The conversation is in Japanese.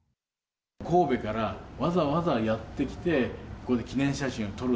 神戸からわざわざやって来て、こうやって記念写真を撮る。